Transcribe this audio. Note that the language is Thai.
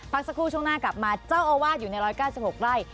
สักครู่ช่วงหน้ากลับมาเจ้าอาวาสอยู่ใน๑๙๖ไร่